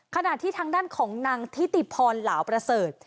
ขณะที่ทางด้านของนางทิติพรเหลาประเสริฐ